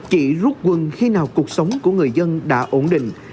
chỉ rút quân khi nào cuộc sống của người dân đã ổn định